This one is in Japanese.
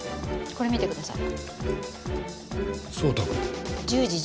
これ見てください。